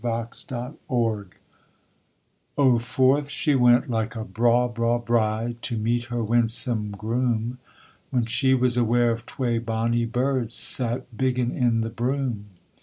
SCOTCH SONG Oh, forth she went like a braw, braw bride To meet her winsome groom, When she was aware of twa bonny birds Sat biggin' in the broom.